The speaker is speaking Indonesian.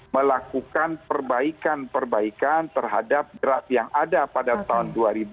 melakukan perbaikan perbaikan terhadap draft yang ada pada tahun dua ribu dua puluh